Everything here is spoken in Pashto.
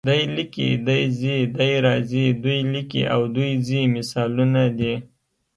دی لیکي، دی ځي، دی راځي، دوی لیکي او دوی ځي مثالونه دي.